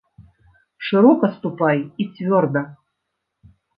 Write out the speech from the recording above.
Шырока ступай і цвёрда!